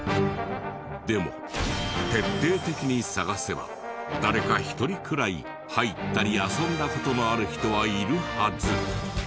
でも徹底的に探せば誰か１人くらい入ったり遊んだ事のある人はいるはず。